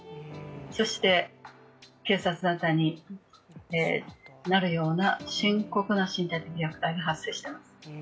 そして、警察沙汰になるような深刻な身体的虐待が発生します。